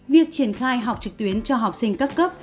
việc triển khai học trực tuyến cho học sinh các cấp